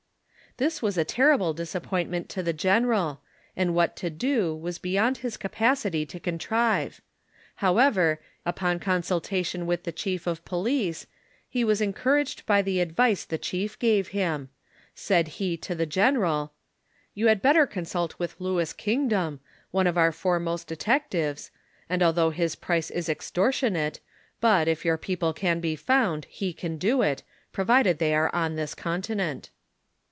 This was a terrible disappointment to the general, and what to do was beyond his capacity to contrive ; however, upon consultation with the chief of police, lie was en couraged by the advice the chief gave him. Said he to the general :'' You had better consult with Louis Kingdom, one of our foremost detectives, and although his price is extor tionate, but, if your people can be found, he can do it, pro vided they are on this continent."